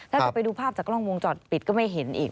ถ้าจะไปดูภาพจากกล้องวงจรปิดก็ไม่เห็นอีก